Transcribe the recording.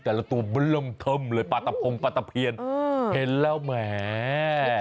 แต่ล่ะตัวเบล้ลั่มเทิมปาร์ตะพมปาร์ตะเพียญเห็นแล้วแหม